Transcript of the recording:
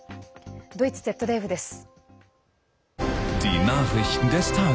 ドイツＺＤＦです。